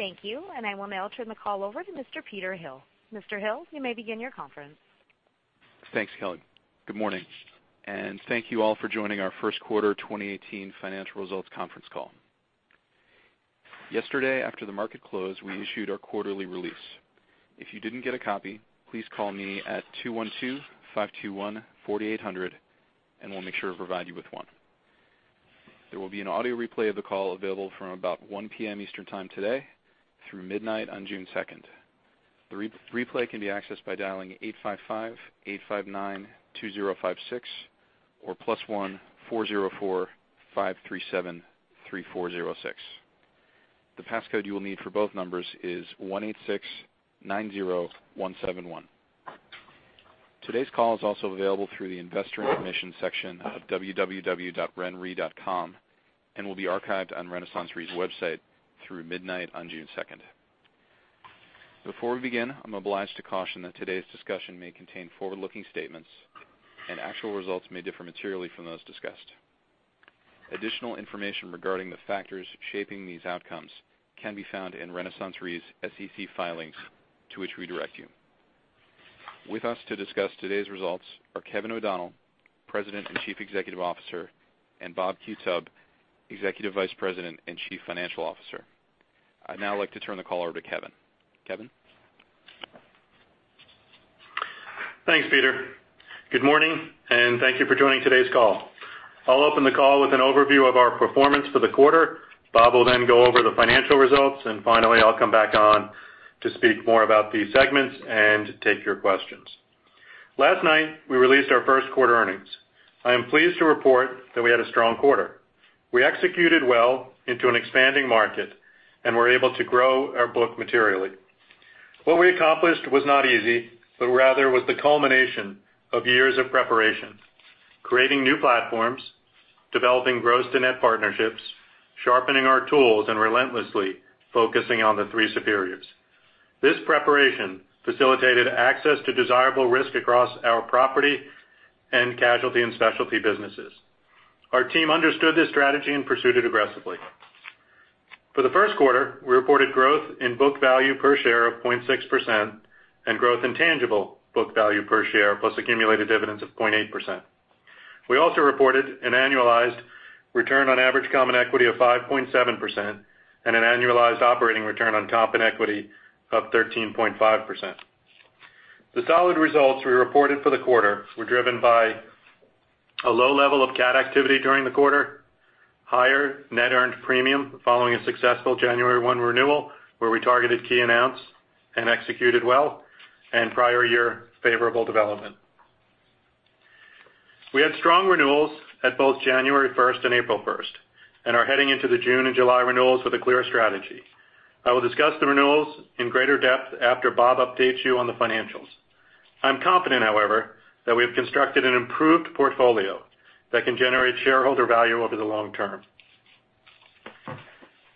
Thank you. I will now turn the call over to Mr. Peter Hill. Mr. Hill, you may begin your conference. Thanks, Keil. Good morning, and thank you all for joining our first quarter 2018 financial results conference call. Yesterday, after the market closed, we issued our quarterly release. If you didn't get a copy, please call me at 212-521-4800, and we'll make sure to provide you with one. There will be an audio replay of the call available from about 1:00 P.M. Eastern Time today through midnight on June 2nd. The replay can be accessed by dialing 855-859-2056 or +1-404-537-3406. The passcode you will need for both numbers is 18690171. Today's call is also available through the investor information section of www.renre.com and will be archived on RenaissanceRe's website through midnight on June 2nd. Before we begin, I'm obliged to caution that today's discussion may contain forward-looking statements and actual results may differ materially from those discussed. Additional information regarding the factors shaping these outcomes can be found in RenaissanceRe's SEC filings to which we direct you. With us to discuss today's results are Kevin O'Donnell, President and Chief Executive Officer, and Bob Qutub, Executive Vice President and Chief Financial Officer. I'd now like to turn the call over to Kevin. Kevin? Thanks, Peter. Good morning, and thank you for joining today's call. I'll open the call with an overview of our performance for the quarter. Bob will go over the financial results. Finally, I'll come back on to speak more about the segments and take your questions. Last night, we released our first-quarter earnings. I am pleased to report that we had a strong quarter. We executed well into an expanding market and were able to grow our book materially. What we accomplished was not easy, but rather was the culmination of years of preparation, creating new platforms, developing gross to net partnerships, sharpening our tools, and relentlessly focusing on the three superiors. This preparation facilitated access to desirable risk across our property and casualty and specialty businesses. Our team understood this strategy and pursued it aggressively. For the first quarter, we reported growth in book value per share of 0.6% and growth in tangible book value per share, plus accumulated dividends of 0.8%. We also reported an annualized return on average common equity of 5.7% and an annualized operating return on common equity of 13.5%. The solid results we reported for the quarter were driven by a low level of cat activity during the quarter, higher net earned premium following a successful January 1 renewal where we targeted key accounts and executed well, and prior year favorable development. We had strong renewals at both January 1st and April 1st and are heading into the June and July renewals with a clear strategy. I will discuss the renewals in greater depth after Bob updates you on the financials. I'm confident, however, that we have constructed an improved portfolio that can generate shareholder value over the long term.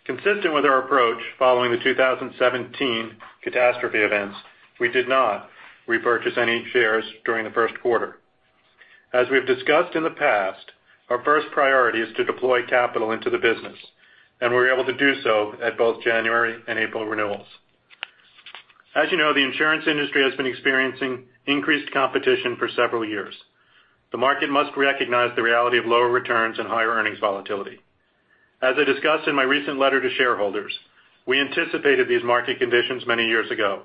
Consistent with our approach following the 2017 catastrophe events, we did not repurchase any shares during the first quarter. As we've discussed in the past, our first priority is to deploy capital into the business, and we were able to do so at both January and April renewals. As you know, the insurance industry has been experiencing increased competition for several years. The market must recognize the reality of lower returns and higher earnings volatility. As I discussed in my recent letter to shareholders, we anticipated these market conditions many years ago.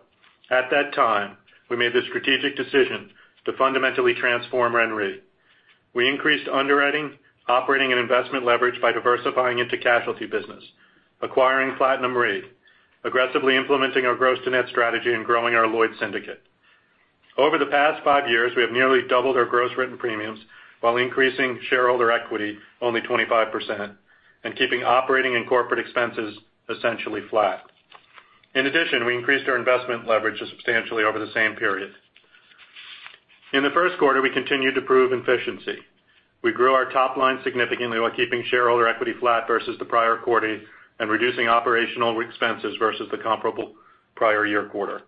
At that time, we made the strategic decision to fundamentally transform RenRe. We increased underwriting, operating, and investment leverage by diversifying into casualty business, acquiring PlatinumRe, aggressively implementing our gross to net strategy, and growing our Lloyd's syndicate. Over the past 5 years, we have nearly doubled our gross written premiums while increasing shareholder equity only 25% and keeping operating and corporate expenses essentially flat. In addition, we increased our investment leverage substantially over the same period. In the first quarter, we continued to prove efficiency. We grew our top line significantly while keeping shareholder equity flat versus the prior quarter and reducing operational expenses versus the comparable prior year quarter.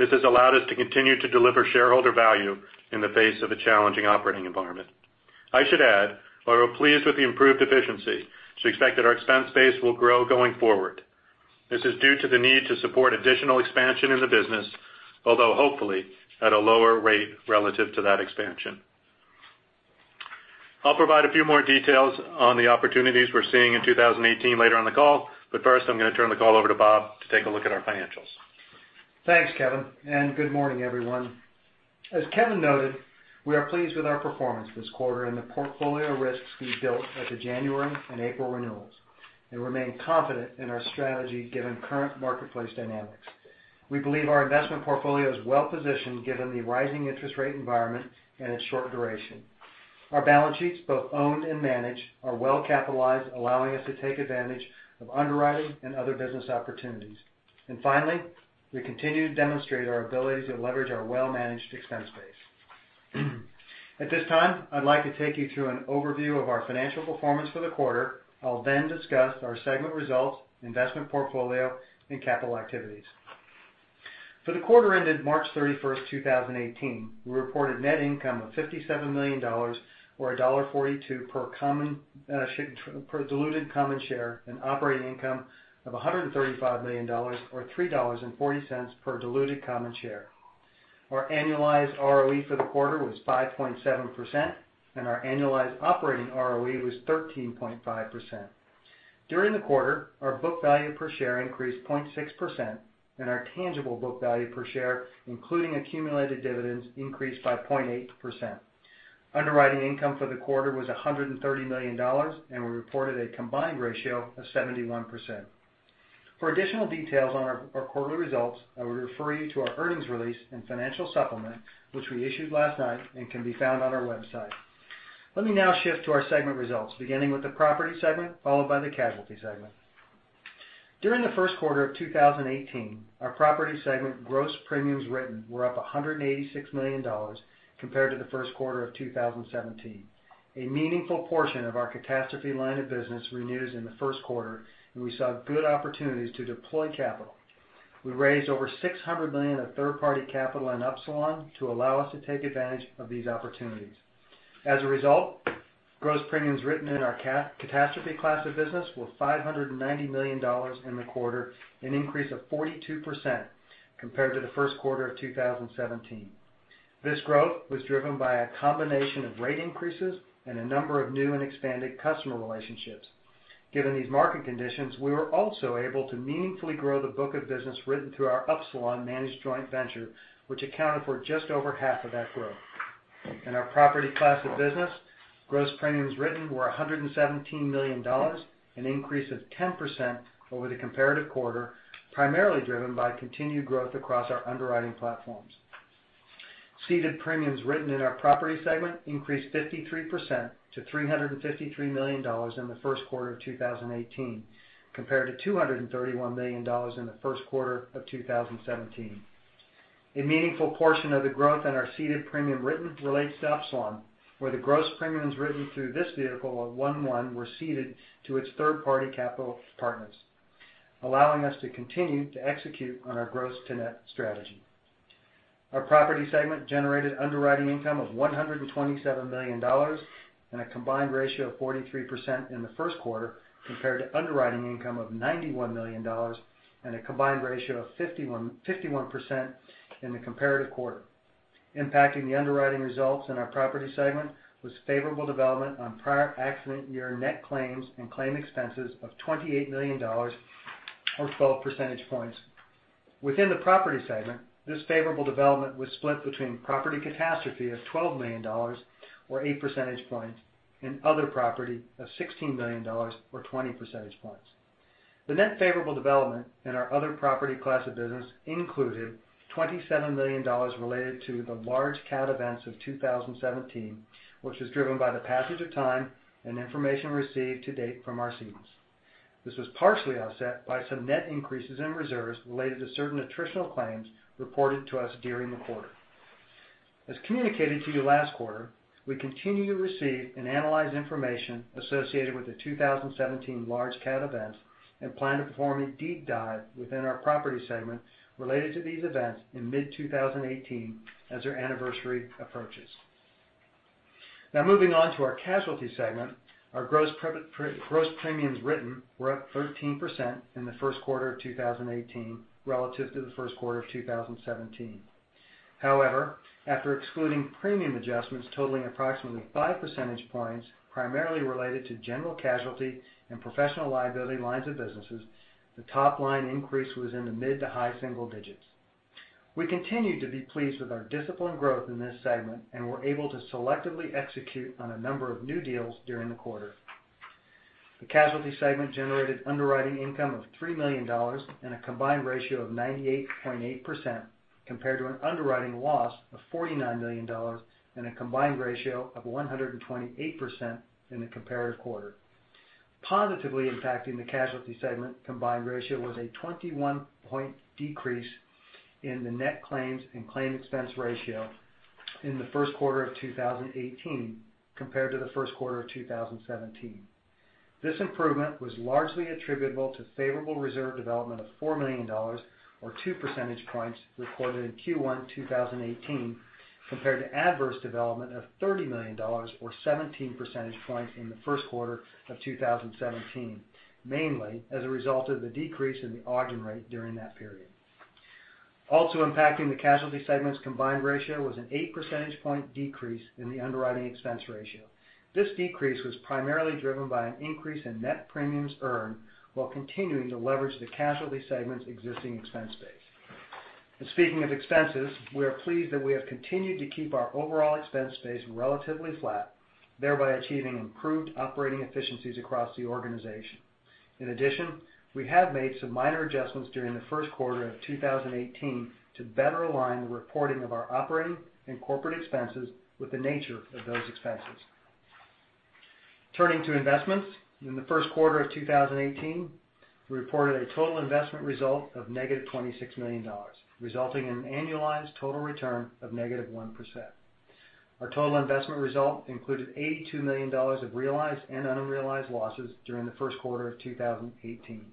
This has allowed us to continue to deliver shareholder value in the face of a challenging operating environment. I should add, while we're pleased with the improved efficiency, we expect that our expense base will grow going forward. This is due to the need to support additional expansion in the business, although hopefully at a lower rate relative to that expansion. I'll provide a few more details on the opportunities we're seeing in 2018 later on the call. First, I'm going to turn the call over to Bob to take a look at our financials. Thanks, Kevin, and good morning, everyone. As Kevin noted, we are pleased with our performance this quarter and the portfolio risks we built at the January and April renewals and remain confident in our strategy given current marketplace dynamics. We believe our investment portfolio is well-positioned given the rising interest rate environment and its short duration. Our balance sheets, both owned and managed, are well-capitalized, allowing us to take advantage of underwriting and other business opportunities. Finally, we continue to demonstrate our ability to leverage our well-managed expense base. At this time, I'd like to take you through an overview of our financial performance for the quarter. I'll then discuss our segment results, investment portfolio, and capital activities. For the quarter ended March 31st, 2018, we reported net income of $57 million, or $1.42 per diluted common share and operating income of $135 million, or $3.40 per diluted common share. Our annualized ROE for the quarter was 5.7%, and our annualized operating ROE was 13.5%. During the quarter, our book value per share increased 0.6%, and our tangible book value per share, including accumulated dividends, increased by 0.8%. Underwriting income for the quarter was $130 million, and we reported a combined ratio of 71%. For additional details on our quarterly results, I would refer you to our earnings release and financial supplement, which we issued last night and can be found on our website. Let me now shift to our segment results, beginning with the property segment, followed by the casualty segment. During the first quarter of 2018, our property segment gross premiums written were up $186 million compared to the first quarter of 2017. A meaningful portion of our catastrophe line of business renewed in the first quarter, and we saw good opportunities to deploy capital. We raised over $600 million of third-party capital in Upsilon to allow us to take advantage of these opportunities. As a result, gross premiums written in our catastrophe class of business were $590 million in the quarter, an increase of 42% compared to the first quarter of 2017. This growth was driven by a combination of rate increases and a number of new and expanded customer relationships. Given these market conditions, we were also able to meaningfully grow the book of business written through our Upsilon managed joint venture, which accounted for just over half of that growth. In our property class of business, gross premiums written were $117 million, an increase of 10% over the comparative quarter, primarily driven by continued growth across our underwriting platforms. Ceded premiums written in our property segment increased 53% to $353 million in the first quarter of 2018, compared to $231 million in the first quarter of 2017. A meaningful portion of the growth in our ceded premium written relates to Upsilon, where the gross premiums written through this vehicle of one-one were ceded to its third-party capital partners, allowing us to continue to execute on our gross-to-net strategy. Our property segment generated underwriting income of $127 million and a combined ratio of 43% in the first quarter, compared to underwriting income of $91 million and a combined ratio of 51% in the comparative quarter. Impacting the underwriting results in our property segment was favorable development on prior accident year net claims and claim expenses of $28 million, or 12 percentage points. Within the property segment, this favorable development was split between property catastrophe of $12 million, or eight percentage points, and other property of $16 million, or 20 percentage points. The net favorable development in our other property class of business included $27 million related to the large cat events of 2017, which was driven by the passage of time and information received to date from our cedants. This was partially offset by some net increases in reserves related to certain attritional claims reported to us during the quarter. As communicated to you last quarter, we continue to receive and analyze information associated with the 2017 large cat events and plan to perform a deep dive within our property segment related to these events in mid-2018 as their anniversary approaches. Moving on to our casualty segment. Our gross premiums written were up 13% in the first quarter of 2018 relative to the first quarter of 2017. After excluding premium adjustments totaling approximately five percentage points, primarily related to general casualty and professional liability lines of businesses, the top-line increase was in the mid to high single digits. We continue to be pleased with our disciplined growth in this segment and were able to selectively execute on a number of new deals during the quarter. The casualty segment generated underwriting income of $3 million and a combined ratio of 98.8%, compared to an underwriting loss of $49 million and a combined ratio of 128% in the comparative quarter. Positively impacting the casualty segment combined ratio was a 21-point decrease in the net claims and claim expense ratio in the first quarter of 2018 compared to the first quarter of 2017. This improvement was largely attributable to favorable reserve development of $4 million or two percentage points recorded in Q1 2018 compared to adverse development of $30 million or 17 percentage points in the first quarter of 2017, mainly as a result of the decrease in the Ogden rate during that period. Impacting the casualty segment's combined ratio was an eight percentage point decrease in the underwriting expense ratio. This decrease was primarily driven by an increase in net premiums earned while continuing to leverage the casualty segment's existing expense base. Speaking of expenses, we are pleased that we have continued to keep our overall expense base relatively flat, thereby achieving improved operating efficiencies across the organization. In addition, we have made some minor adjustments during the first quarter of 2018 to better align the reporting of our operating and corporate expenses with the nature of those expenses. Turning to investments. In the first quarter of 2018, we reported a total investment result of negative $26 million, resulting in an annualized total return of negative 1%. Our total investment result included $82 million of realized and unrealized losses during the first quarter of 2018.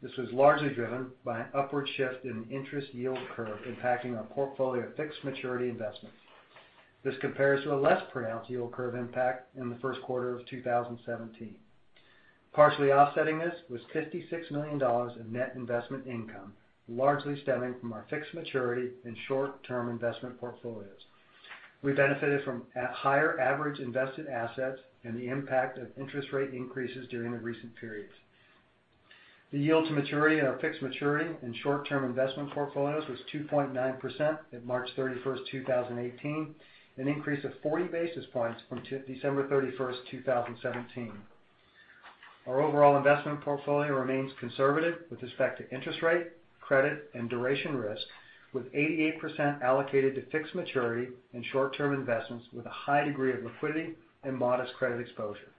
This was largely driven by an upward shift in the interest yield curve impacting our portfolio of fixed maturity investments. This compares to a less pronounced yield curve impact in the first quarter of 2017. Partially offsetting this was $56 million in net investment income, largely stemming from our fixed maturity and short-term investment portfolios. We benefited from higher average invested assets and the impact of interest rate increases during the recent periods. The yield to maturity in our fixed maturity and short-term investment portfolios was 2.9% at March 31st, 2018, an increase of 40 basis points from December 31st, 2017. Our overall investment portfolio remains conservative with respect to interest rate, credit, and duration risk, with 88% allocated to fixed maturity and short-term investments with a high degree of liquidity and modest credit exposure.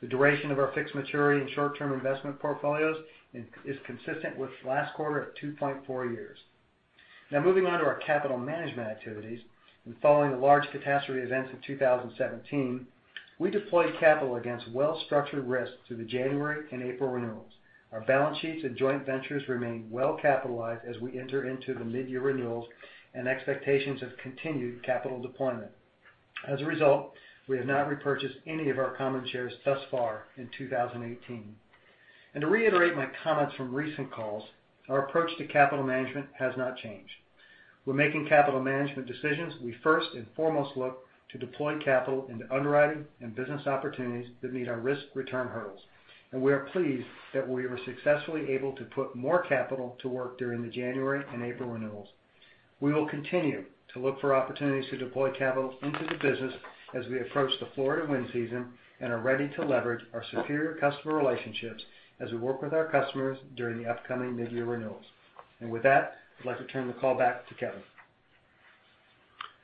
The duration of our fixed maturity and short-term investment portfolios is consistent with last quarter at 2.4 years. Moving on to our capital management activities, following the large catastrophe events of 2017, we deployed capital against well-structured risks through the January and April renewals. Our balance sheets and joint ventures remain well-capitalized as we enter into the mid-year renewals and expectations of continued capital deployment. As a result, we have not repurchased any of our common shares thus far in 2018. To reiterate my comments from recent calls, our approach to capital management has not changed. When making capital management decisions, we first and foremost look to deploy capital into underwriting and business opportunities that meet our risk-return hurdles, we are pleased that we were successfully able to put more capital to work during the January and April renewals. We will continue to look for opportunities to deploy capital into the business as we approach the Florida wind season and are ready to leverage our superior customer relationships as we work with our customers during the upcoming mid-year renewals. With that, I'd like to turn the call back to Kevin.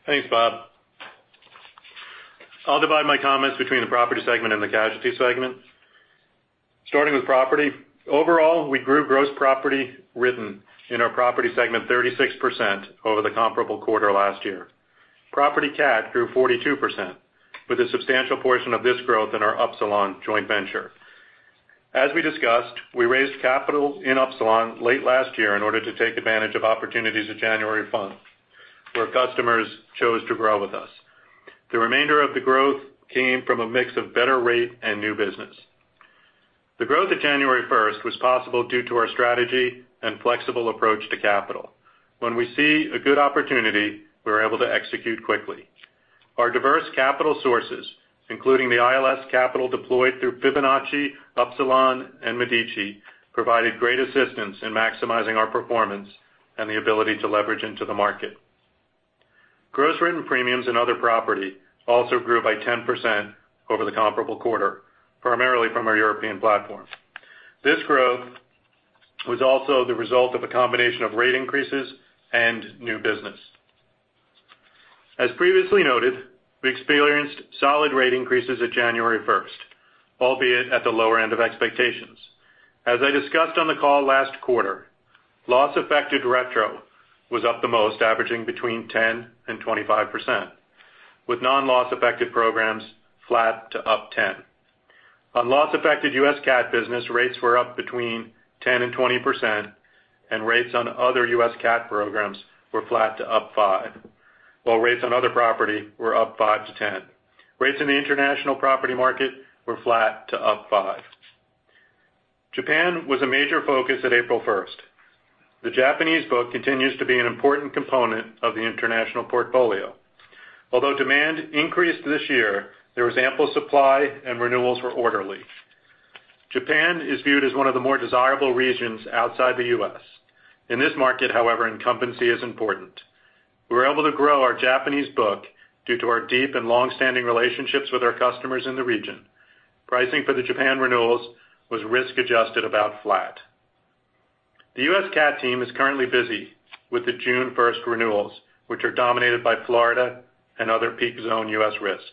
Thanks, Bob. I'll divide my comments between the property segment and the casualty segment. Starting with property, overall, we grew gross property written in our property segment 36% over the comparable quarter last year. property CAT grew 42%, with a substantial portion of this growth in our Upsilon joint venture. As we discussed, we raised capital in Upsilon late last year in order to take advantage of opportunities at January 1st, where customers chose to grow with us. The remainder of the growth came from a mix of better rate and new business. The growth at January 1st was possible due to our strategy and flexible approach to capital. When we see a good opportunity, we're able to execute quickly. Our diverse capital sources, including the ILS capital deployed through Fibonacci, Upsilon, and Medici, provided great assistance in maximizing our performance and the ability to leverage into the market. Gross written premiums and other property also grew by 10% over the comparable quarter, primarily from our European platform. This growth was also the result of a combination of rate increases and new business. As previously noted, we experienced solid rate increases at January 1st, albeit at the lower end of expectations. As I discussed on the call last quarter, loss-affected retro was up the most, averaging between 10% and 25%, with non-loss-affected programs flat to up 10%. On loss-affected U.S. CAT business, rates were up between 10% and 20%, and rates on other U.S. CAT programs were flat to up 5%, while rates on other property were up 5% to 10%. Rates in the international property market were flat to up 5%. Japan was a major focus at April 1st. The Japanese book continues to be an important component of the international portfolio. Although demand increased this year, there was ample supply, and renewals were orderly. Japan is viewed as one of the more desirable regions outside the U.S. In this market, however, incumbency is important. We were able to grow our Japanese book due to our deep and long-standing relationships with our customers in the region. Pricing for the Japan renewals was risk-adjusted about flat. The U.S. CAT team is currently busy with the June 1st renewals, which are dominated by Florida and other peak zone U.S. risk.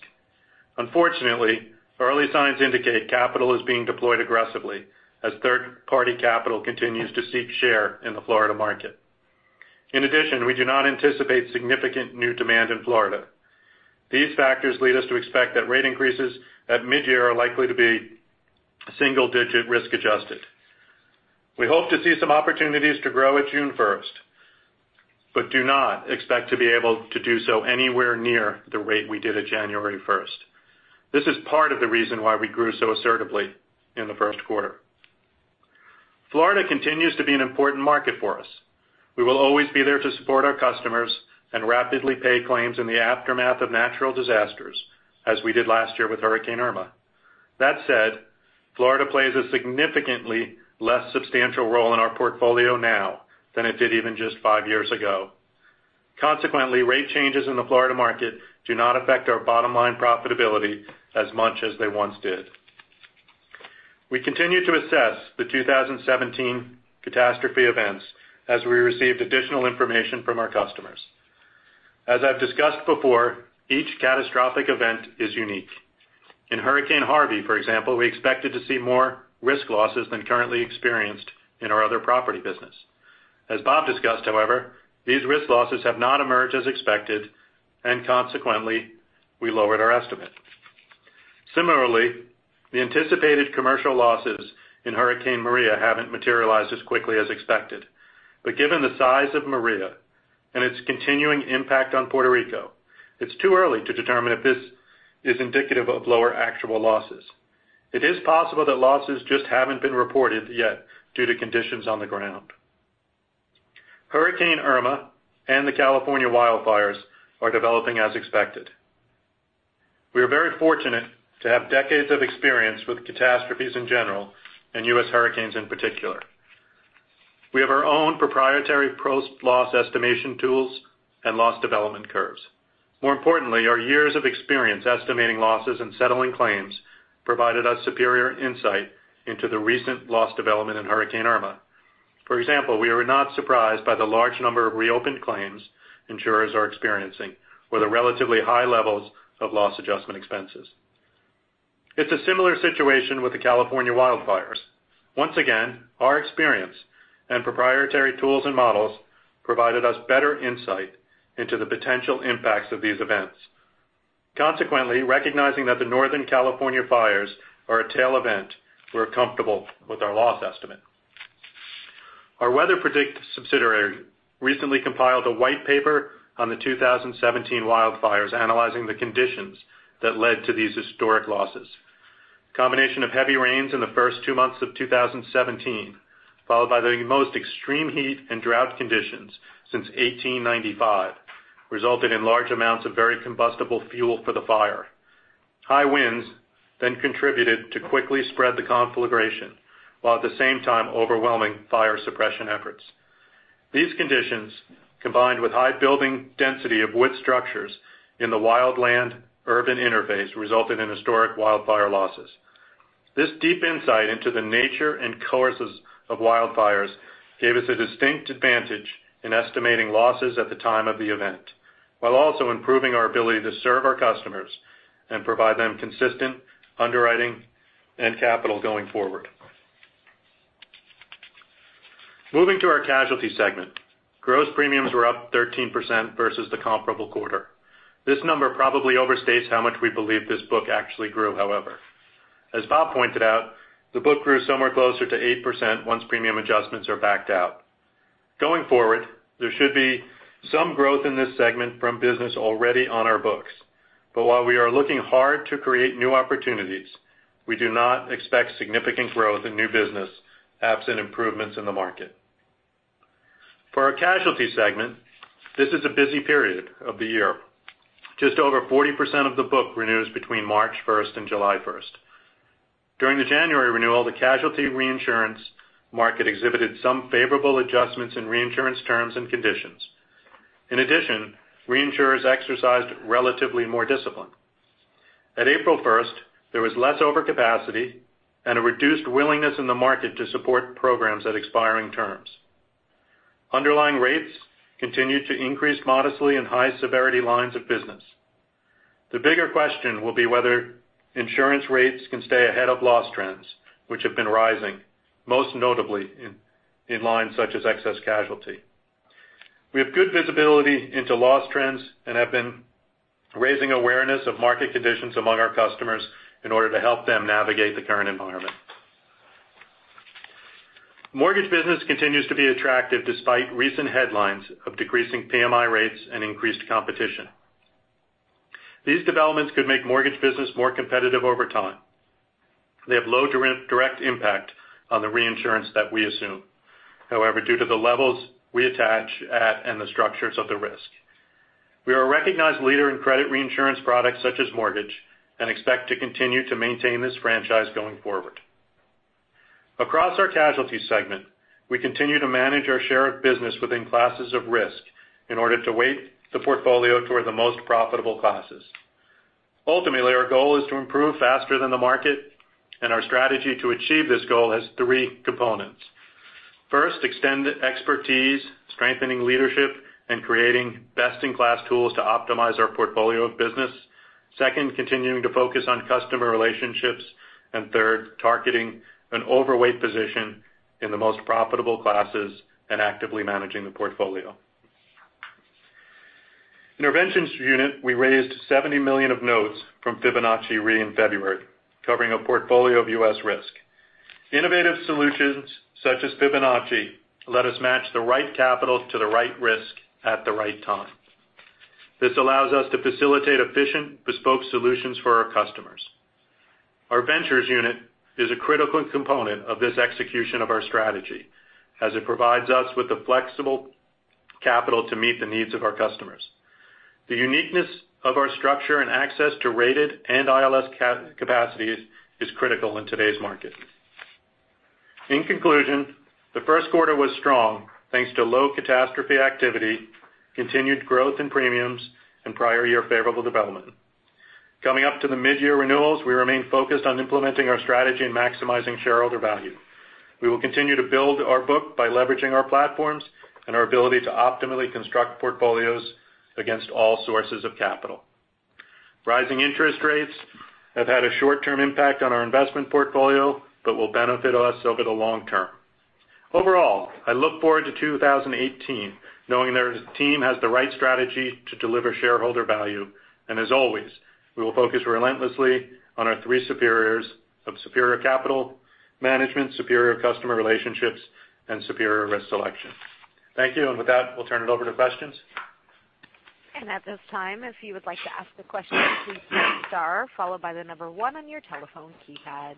Unfortunately, early signs indicate capital is being deployed aggressively as third-party capital continues to seek share in the Florida market. In addition, we do not anticipate significant new demand in Florida. These factors lead us to expect that rate increases at mid-year are likely to be single digit risk adjusted. We hope to see some opportunities to grow at June 1st, but do not expect to be able to do so anywhere near the rate we did at January 1st. This is part of the reason why we grew so assertively in the first quarter. Florida continues to be an important market for us. We will always be there to support our customers and rapidly pay claims in the aftermath of natural disasters, as we did last year with Hurricane Irma. That said, Florida plays a significantly less substantial role in our portfolio now than it did even just five years ago. Consequently, rate changes in the Florida market do not affect our bottom line profitability as much as they once did. We continue to assess the 2017 catastrophe events as we received additional information from our customers. As I've discussed before, each catastrophic event is unique. In Hurricane Harvey, for example, we expected to see more risk losses than currently experienced in our other property business. As Bob discussed, however, these risk losses have not emerged as expected, and consequently, we lowered our estimate. Similarly, the anticipated commercial losses in Hurricane Maria haven't materialized as quickly as expected. Given the size of Maria and its continuing impact on Puerto Rico, it's too early to determine if this is indicative of lower actual losses. It is possible that losses just haven't been reported yet due to conditions on the ground. Hurricane Irma and the California wildfires are developing as expected. We are very fortunate to have decades of experience with catastrophes in general and U.S. hurricanes, in particular. We have our own proprietary post-loss estimation tools and loss development curves. More importantly, our years of experience estimating losses and settling claims provided us superior insight into the recent loss development in Hurricane Irma. For example, we were not surprised by the large number of reopened claims insurers are experiencing or the relatively high levels of loss adjustment expenses. It's a similar situation with the California wildfires. Once again, our experience and proprietary tools and models provided us better insight into the potential impacts of these events. Consequently, recognizing that the Northern California fires are a tail event, we're comfortable with our loss estimate. Our Weather Predict subsidiary recently compiled a white paper on the 2017 wildfires analyzing the conditions that led to these historic losses. Combination of heavy rains in the first two months of 2017, followed by the most extreme heat and drought conditions since 1895, resulted in large amounts of very combustible fuel for the fire. High winds contributed to quickly spread the conflagration, while at the same time overwhelming fire suppression efforts. These conditions, combined with high building density of wood structures in the wildland-urban interface, resulted in historic wildfire losses. This deep insight into the nature and causes of wildfires gave us a distinct advantage in estimating losses at the time of the event, while also improving our ability to serve our customers and provide them consistent underwriting and capital going forward. Moving to our casualty segment, gross premiums were up 13% versus the comparable quarter. This number probably overstates how much we believe this book actually grew, however. As Bob pointed out, the book grew somewhere closer to 8% once premium adjustments are backed out. Going forward, there should be some growth in this segment from business already on our books. While we are looking hard to create new opportunities, we do not expect significant growth in new business absent improvements in the market. For our casualty segment, this is a busy period of the year. Just over 40% of the book renews between March 1st and July 1st. During the January renewal, the casualty reinsurance market exhibited some favorable adjustments in reinsurance terms and conditions. In addition, reinsurers exercised relatively more discipline. At April 1st, there was less overcapacity and a reduced willingness in the market to support programs at expiring terms. Underlying rates continued to increase modestly in high-severity lines of business. The bigger question will be whether insurance rates can stay ahead of loss trends, which have been rising, most notably in lines such as excess casualty. We have good visibility into loss trends and have been raising awareness of market conditions among our customers in order to help them navigate the current environment. Mortgage business continues to be attractive despite recent headlines of decreasing PMI rates and increased competition. These developments could make mortgage business more competitive over time. They have low direct impact on the reinsurance that we assume, however, due to the levels we attach at and the structures of the risk. We are a recognized leader in credit reinsurance products such as mortgage and expect to continue to maintain this franchise going forward. Across our casualty segment, we continue to manage our share of business within classes of risk in order to weight the portfolio toward the most profitable classes. Ultimately, our goal is to improve faster than the market, and our strategy to achieve this goal has three components. First, extend expertise, strengthening leadership, and creating best-in-class tools to optimize our portfolio of business. Second, continuing to focus on customer relationships. Third, targeting an overweight position in the most profitable classes and actively managing the portfolio. In our ventures unit, we raised $70 million of notes from Fibonacci Re in February, covering a portfolio of U.S. risk. Innovative solutions such as Fibonacci let us match the right capital to the right risk at the right time. This allows us to facilitate efficient bespoke solutions for our customers. Our ventures unit is a critical component of this execution of our strategy, as it provides us with the flexible capital to meet the needs of our customers. The uniqueness of our structure and access to rated and ILS capacities is critical in today's market. In conclusion, the first quarter was strong thanks to low catastrophe activity, continued growth in premiums, and prior year favorable development. Coming up to the mid-year renewals, we remain focused on implementing our strategy and maximizing shareholder value. We will continue to build our book by leveraging our platforms and our ability to optimally construct portfolios against all sources of capital. Rising interest rates have had a short-term impact on our investment portfolio, but will benefit us over the long term. Overall, I look forward to 2018 knowing the team has the right strategy to deliver shareholder value. As always, we will focus relentlessly on our three superiors of superior capital management, superior customer relationships, and superior risk selection. Thank you. With that, we'll turn it over to questions. At this time, if you would like to ask a question, please press star followed by the number 1 on your telephone keypad.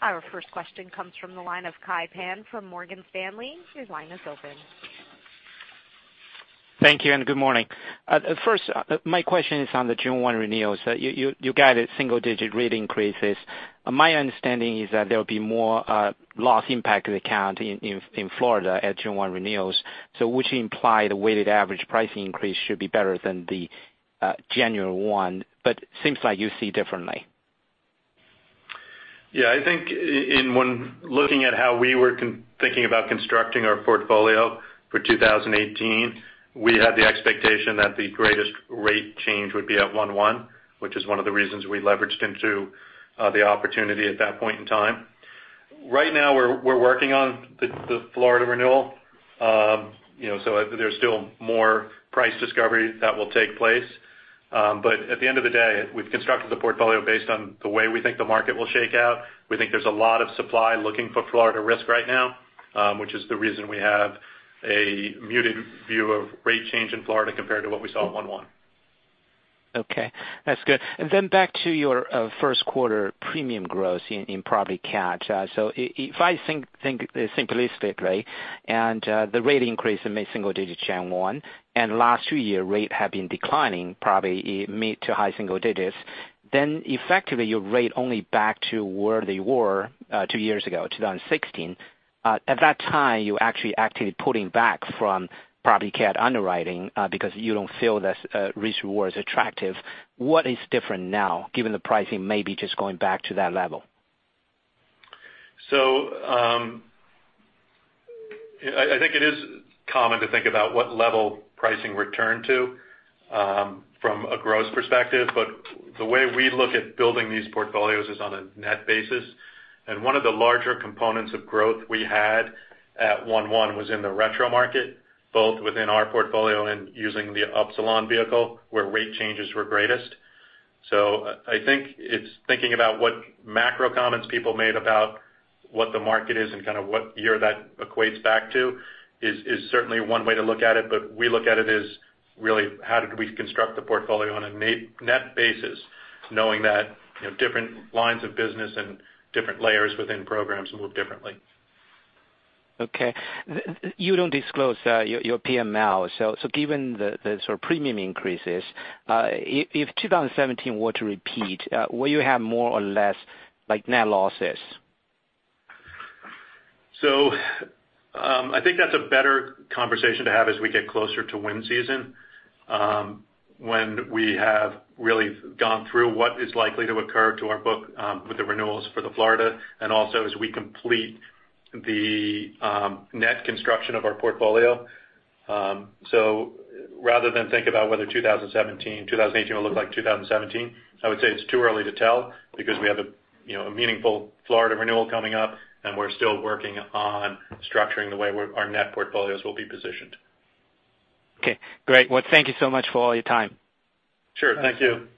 Our first question comes from the line of Kai Pan from Morgan Stanley. Your line is open. Thank you, good morning. First, my question is on the June 1 renewals. You guided single-digit rate increases. My understanding is that there'll be more loss impact to the account in Florida at June 1 renewals. Which imply the weighted average pricing increase should be better than the January 1, seems like you see differently. Yeah, I think in when looking at how we were thinking about constructing our portfolio for 2018, we had the expectation that the greatest rate change would be at 1/1, which is one of the reasons we leveraged into the opportunity at that point in time. Right now, we're working on the Florida renewal. There's still more price discovery that will take place. At the end of the day, we've constructed the portfolio based on the way we think the market will shake out. We think there's a lot of supply looking for Florida risk right now, which is the reason we have a muted view of rate change in Florida compared to what we saw at 1/1. Okay, that's good. Back to your first quarter premium growth in property cat. If I think simplistically, the rate increase in mid-single digits Jan 1, last 2 year rate have been declining probably mid to high single digits, effectively your rate only back to where they were 2 years ago, 2016. At that time, you actually actively pulling back from property cat underwriting because you don't feel the risk reward is attractive. What is different now, given the pricing may be just going back to that level? I think it is common to think about what level pricing returned to from a gross perspective, the way we look at building these portfolios is on a net basis. One of the larger components of growth we had at 1/1 was in the retro market, both within our portfolio and using the Upsilon vehicle, where rate changes were greatest. I think it's thinking about what macro comments people made about what the market is and what year that equates back to is certainly one way to look at it, we look at it as really how did we construct the portfolio on a net basis knowing that different lines of business and different layers within programs move differently. Okay. You don't disclose your PML. Given the premium increases, if 2017 were to repeat, will you have more or less net losses? I think that's a better conversation to have as we get closer to wind season, when we have really gone through what is likely to occur to our book with the renewals for the Florida, and also as we complete the net construction of our portfolio. Rather than think about whether 2018 will look like 2017, I would say it's too early to tell because we have a meaningful Florida renewal coming up, and we're still working on structuring the way our net portfolios will be positioned. Thank you so much for all your time. Sure. Thank you.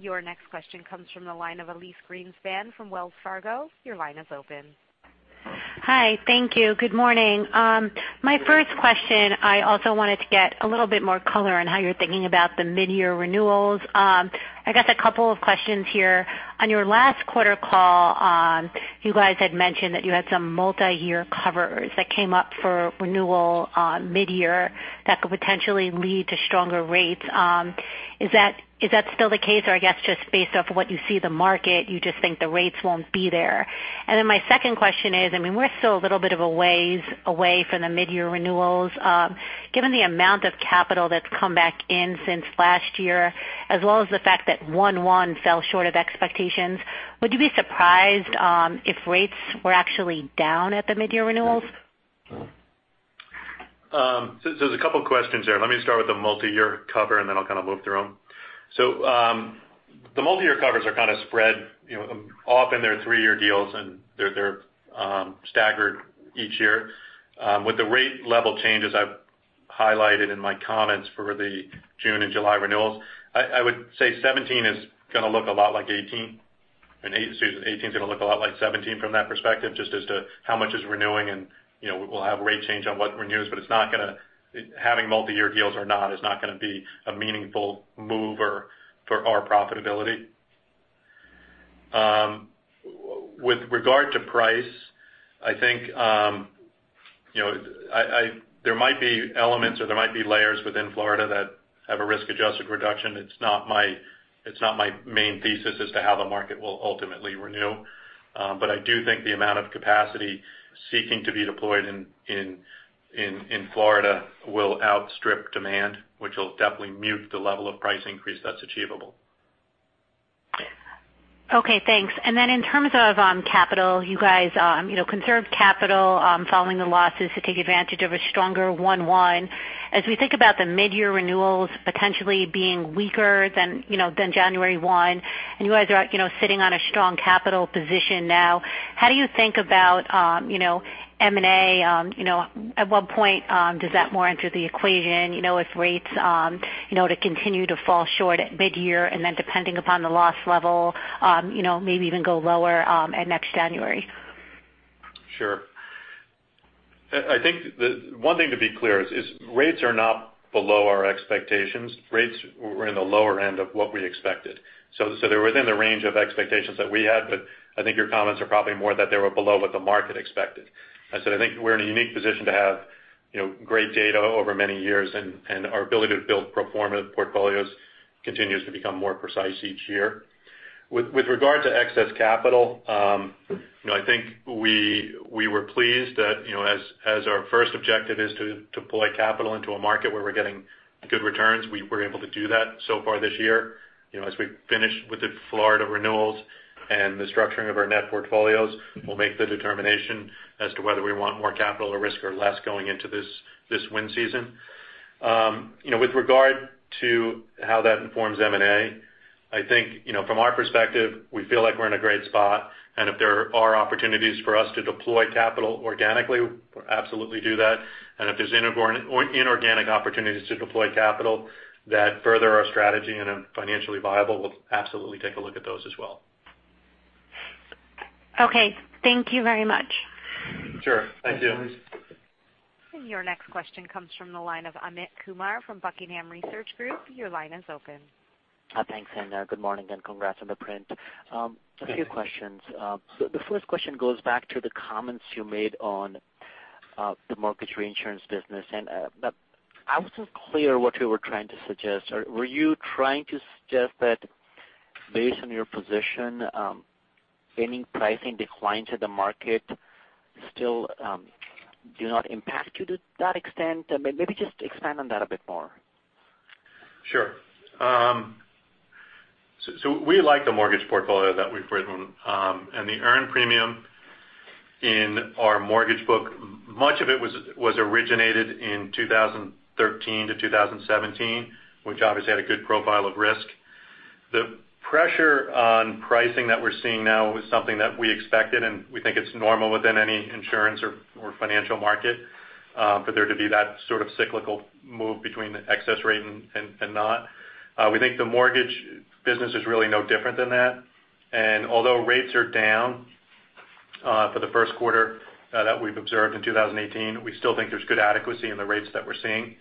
Your next question comes from the line of Elyse Greenspan from Wells Fargo. Your line is open. Hi. Thank you. Good morning. My first question, I also wanted to get a little bit more color on how you're thinking about the mid-year renewals. I guess a couple of questions here. On your last quarter call, you guys had mentioned that you had some multi-year covers that came up for renewal mid-year that could potentially lead to stronger rates. Is that still the case? I guess just based off what you see the market, you just think the rates won't be there. My second question is, we're still a little bit of a ways away from the mid-year renewals. Given the amount of capital that's come back in since last year, as well as the fact that 1/1 fell short of expectations, would you be surprised if rates were actually down at the mid-year renewals? There's a couple of questions there. Let me start with the multi-year cover, and then I'll move through them. The multi-year covers are spread. Often they're 3-year deals, and they're staggered each year. With the rate level changes I've highlighted in my comments for the June and July renewals, I would say 2017 is going to look a lot like 2018, and 2018 is going to look a lot like 2017 from that perspective, just as to how much is renewing and we'll have rate change on what renews, but having multi-year deals or not is not going to be a meaningful mover for our profitability. With regard to price, I think there might be elements or there might be layers within Florida that have a risk-adjusted reduction. It's not my main thesis as to how the market will ultimately renew. I do think the amount of capacity seeking to be deployed in Florida will outstrip demand, which will definitely mute the level of price increase that's achievable. Okay, thanks. In terms of capital, you guys conserve capital following the losses to take advantage of a stronger one-one. As we think about the mid-year renewals potentially being weaker than January 1, and you guys are sitting on a strong capital position now, how do you think about M&A? At what point does that more enter the equation? If rates to continue to fall short at mid-year and then depending upon the loss level, maybe even go lower at next January 1. Sure. I think the one thing to be clear is rates are not below our expectations. Rates were in the lower end of what we expected. They were within the range of expectations that we had, but I think your comments are probably more that they were below what the market expected. I think we're in a unique position to have great data over many years and our ability to build pro forma portfolios continues to become more precise each year. With regard to excess capital, I think we were pleased that as our first objective is to deploy capital into a market where we're getting good returns, we were able to do that so far this year. As we finish with the Florida renewals and the structuring of our net portfolios, we'll make the determination as to whether we want more capital or risk or less going into this wind season. With regard to how that informs M&A, I think, from our perspective, we feel like we're in a great spot, and if there are opportunities for us to deploy capital organically, we'll absolutely do that, and if there's inorganic opportunities to deploy capital that further our strategy and are financially viable, we'll absolutely take a look at those as well. Okay. Thank you very much. Sure. Thank you. Thanks, Elyse. Your next question comes from the line of Amit Kumar from The Buckingham Research Group. Your line is open. Thanks, good morning and congrats on the print. A few questions. The first question goes back to the comments you made on the mortgage reinsurance business. I wasn't clear what you were trying to suggest, or were you trying to suggest that based on your position, any pricing decline to the market still do not impact you to that extent? Maybe just expand on that a bit more. Sure. We like the mortgage portfolio that we've written, and the earned premium in our mortgage book, much of it was originated in 2013-2017, which obviously had a good profile of risk. The pressure on pricing that we're seeing now was something that we expected, and we think it's normal within any insurance or financial market for there to be that sort of cyclical move between excess rate and not. We think the mortgage business is really no different than that, and although rates are down for the first quarter that we've observed in 2018, we still think there's good adequacy in the rates that we're seeing.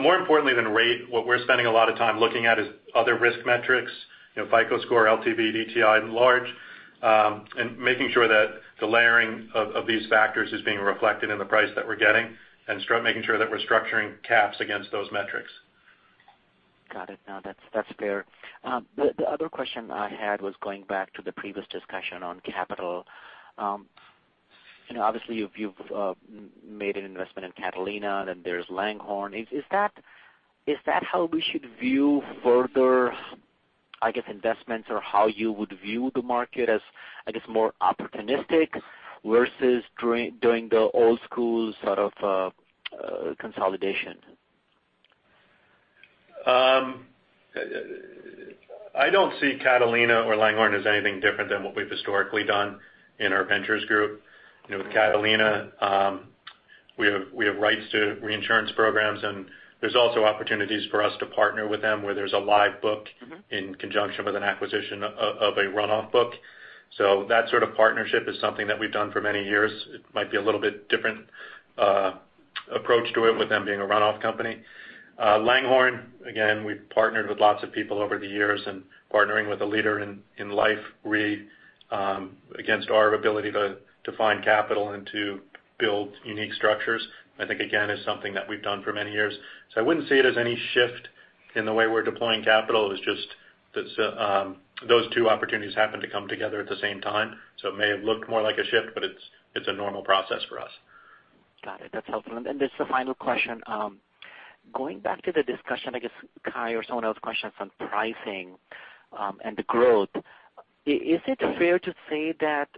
More importantly than rate, what we're spending a lot of time looking at is other risk metrics, FICO score, LTV, DTI in large, and making sure that the layering of these factors is being reflected in the price that we're getting and start making sure that we're structuring caps against those metrics. Got it. No, that's fair. The other question I had was going back to the previous discussion on capital. Obviously you've made an investment in Catalina, then there's Langhorne. Is that how we should view further, I guess, investments or how you would view the market as, I guess, more opportunistic versus doing the old school sort of consolidation? I don't see Catalina or Langhorne as anything different than what we've historically done in our ventures group. With Catalina, we have rights to reinsurance programs, and there's also opportunities for us to partner with them where there's a live book in conjunction with an acquisition of a runoff book. That sort of partnership is something that we've done for many years. It might be a little bit different approach to it with them being a runoff company. Langhorne, again, we've partnered with lots of people over the years and partnering with a leader in life re against our ability to find capital and to build unique structures, I think again, is something that we've done for many years. I wouldn't see it as any shift in the way we're deploying capital. It's just those two opportunities happen to come together at the same time. It may have looked more like a shift, but it's a normal process for us. Got it. That's helpful. This is the final question. Going back to the discussion, I guess, Kai or someone else questions on pricing and the growth, is it fair to say that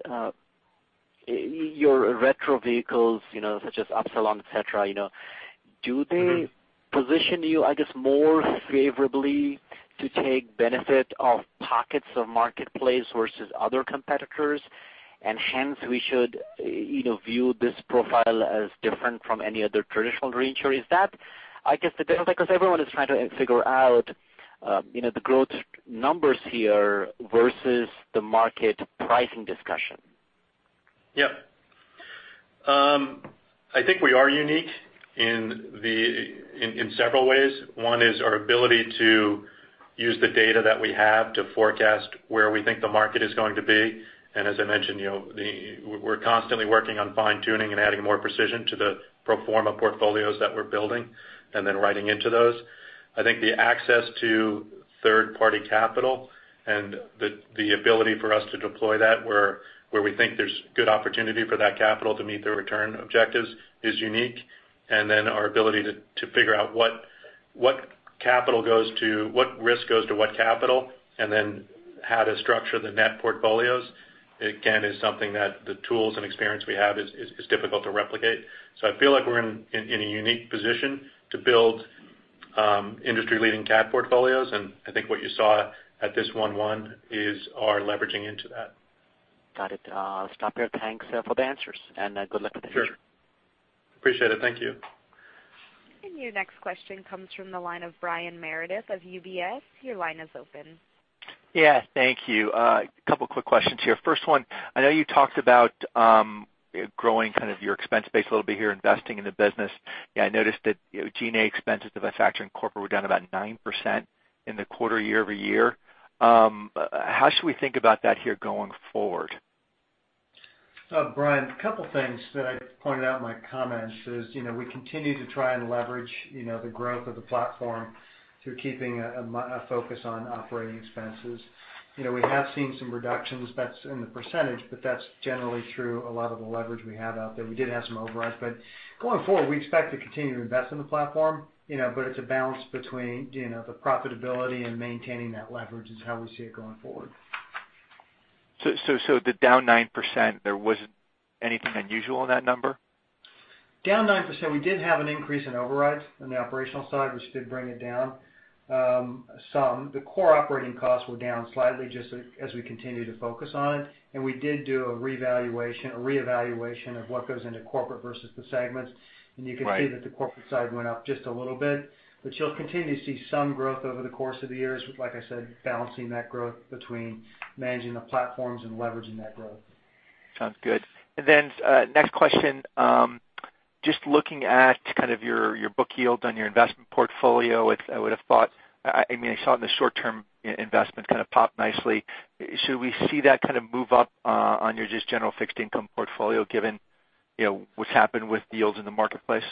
your retro vehicles such as Upsilon, et cetera, do they position you, I guess, more favorably to take benefit of pockets of marketplace versus other competitors? Hence we should view this profile as different from any other traditional reinsurer. Is that, I guess, the difference? Because everyone is trying to figure out the growth numbers here versus the market pricing discussion. Yep. I think we are unique in several ways. One is our ability to use the data that we have to forecast where we think the market is going to be. As I mentioned, we're constantly working on fine-tuning and adding more precision to the pro forma portfolios that we're building and then writing into those. I think the access to third-party capital and the ability for us to deploy that, where we think there's good opportunity for that capital to meet their return objectives, is unique. Then our ability to figure out what risk goes to what capital, and then how to structure the net portfolios, again, is something that the tools and experience we have is difficult to replicate. I feel like we're in a unique position to build industry-leading cat portfolios, and I think what you saw at this one-one is our leveraging into that. Got it. I'll stop there. Thanks for the answers. Sure. -rest of your day. Appreciate it. Thank you. Your next question comes from the line of Brian Meredith of UBS. Your line is open. Yeah, thank you. Couple quick questions here. First one, I know you talked about growing kind of your expense base a little bit here, investing in the business. Yeah, I noticed that G&A expenses, the manufacturing corporate, were down about 9% in the quarter year-over-year. How should we think about that here going forward? Brian, a couple things that I pointed out in my comments is we continue to try and leverage the growth of the platform through keeping a focus on operating expenses. We have seen some reductions. That's in the percentage, that's generally through a lot of the leverage we have out there. We did have some overrides, going forward, we expect to continue to invest in the platform, it's a balance between the profitability and maintaining that leverage is how we see it going forward. The down 9%, there wasn't anything unusual in that number? Down 9%, we did have an increase in overrides on the operational side, which did bring it down some. The core operating costs were down slightly just as we continue to focus on it. We did do a reevaluation of what goes into corporate versus the segments. Right. You can see that the corporate side went up just a little bit, you'll continue to see some growth over the course of the years. Like I said, balancing that growth between managing the platforms and leveraging that growth. Sounds good. Next question. Just looking at kind of your book yield on your investment portfolio, I would've thought I saw the short-term investment kind of pop nicely. Should we see that kind of move up on your just general fixed income portfolio, given what's happened with yields in the marketplace?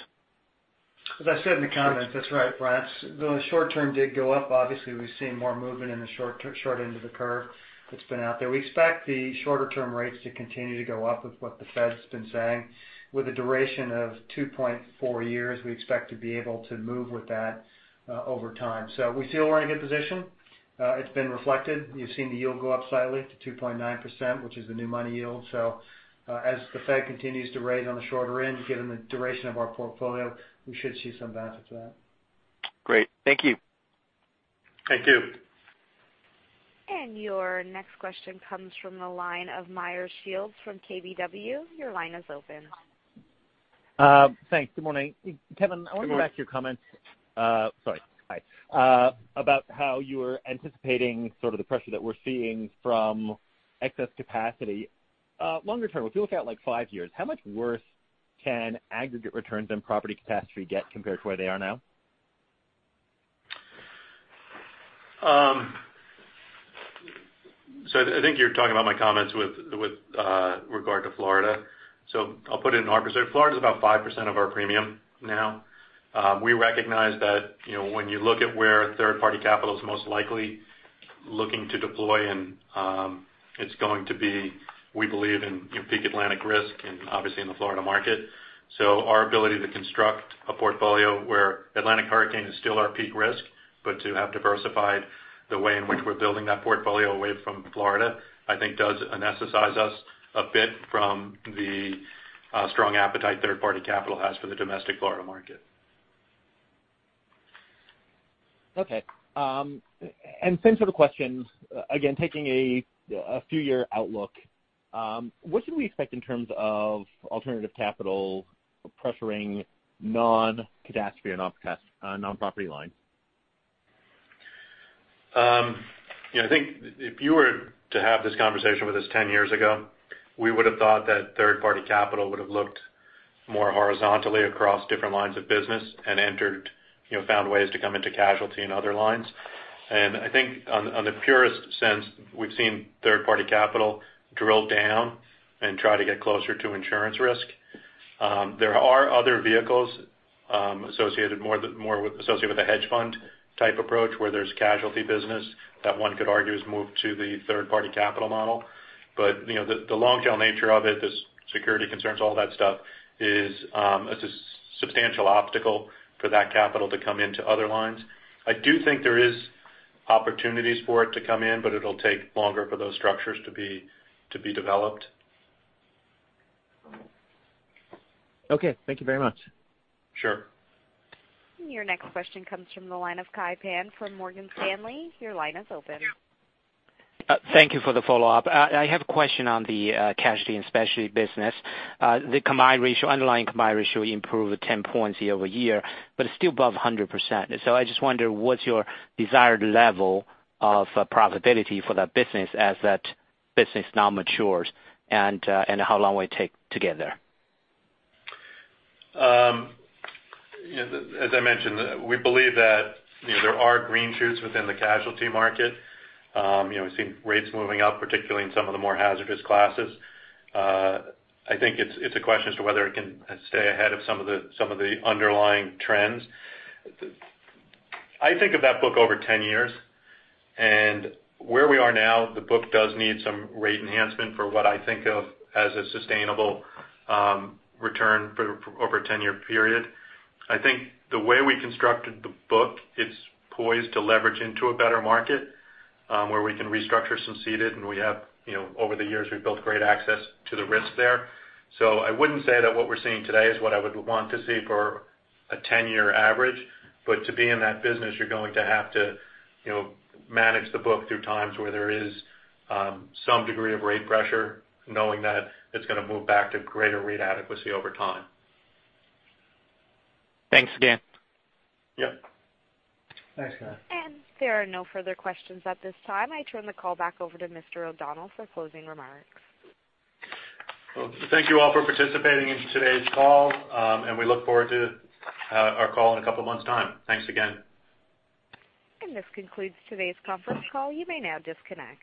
As I said in the comments, that's right, Brian. The short-term did go up. Obviously, we've seen more movement in the short end of the curve that's been out there. We expect the shorter term rates to continue to go up with what the Fed's been saying. With a duration of 2.4 years, we expect to be able to move with that over time. We feel we're in a good position. It's been reflected. You've seen the yield go up slightly to 2.9%, which is the new money yield. As the Fed continues to raise on the shorter end, given the duration of our portfolio, we should see some benefit to that. Great. Thank you. Thank you. Your next question comes from the line of Meyer Shields from KBW. Your line is open. Thanks. Good morning. Good morning. Kevin, I want to go back to your comments, sorry. Hi. About how you were anticipating sort of the pressure that we're seeing from excess capacity. Longer term, if we look out like five years, how much worse can aggregate returns in property catastrophe get compared to where they are now? I think you're talking about my comments with regard to Florida. I'll put it in our perspective. Florida's about 5% of our premium now. We recognize that when you look at where third-party capital is most likely looking to deploy in, it's going to be, we believe, in peak Atlantic risk and obviously in the Florida market. Our ability to construct a portfolio where Atlantic hurricane is still our peak risk, but to have diversified the way in which we're building that portfolio away from Florida, I think does anesthetize us a bit from the strong appetite third-party capital has for the domestic Florida market. Okay. Same sort of question. Again, taking a few-year outlook, what should we expect in terms of alternative capital pressuring non-catastrophe, non-property lines? I think if you were to have this conversation with us 10 years ago, we would've thought that third-party capital would've looked more horizontally across different lines of business and found ways to come into casualty and other lines. I think on the purest sense, we've seen third-party capital drill down and try to get closer to insurance risk. There are other vehicles associated more with the hedge fund type approach, where there's casualty business that one could argue has moved to the third-party capital model. The long-tail nature of it, the security concerns, all that stuff, it's a substantial obstacle for that capital to come into other lines. I do think there is opportunities for it to come in, but it'll take longer for those structures to be developed. Okay. Thank you very much. Sure. Your next question comes from the line of Kai Pan from Morgan Stanley. Your line is open. Thank you for the follow-up. I have a question on the casualty and specialty business. The combined ratio, underlying combined ratio, improved 10 points year-over-year, but it's still above 100%. I just wonder what's your desired level of profitability for that business as that business now matures, and how long will it take to get there? As I mentioned, we believe that there are green shoots within the casualty market. We've seen rates moving up, particularly in some of the more hazardous classes. I think it's a question as to whether it can stay ahead of some of the underlying trends. I think of that book over 10 years, and where we are now, the book does need some rate enhancement for what I think of as a sustainable return over a 10-year period. I think the way we constructed the book, it's poised to leverage into a better market, where we can restructure some ceded, and over the years, we've built great access to the risk there. I wouldn't say that what we're seeing today is what I would want to see for a 10-year average. To be in that business, you're going to have to manage the book through times where there is some degree of rate pressure, knowing that it's going to move back to greater rate adequacy over time. Thanks again. Yep. Thanks, Kai. There are no further questions at this time. I turn the call back over to Mr. O'Donnell for closing remarks. Well, thank you all for participating in today's call, and we look forward to our call in a couple of months' time. Thanks again. This concludes today's conference call. You may now disconnect.